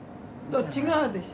違うでしょ？